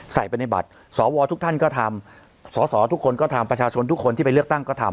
ใส่ไปในบัตรสวทุกท่านก็ทำสอสอทุกคนก็ทำประชาชนทุกคนที่ไปเลือกตั้งก็ทำ